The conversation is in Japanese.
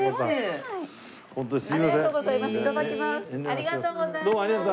ありがとうございます。